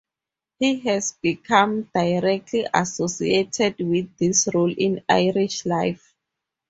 He has become directly associated with this role in Irish life.